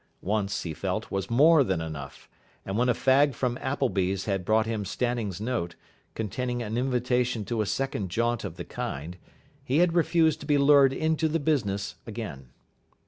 Once, he felt, was more than enough; and when a fag from Appleby's had brought him Stanning's note, containing an invitation to a second jaunt of the kind, he had refused to be lured into the business again.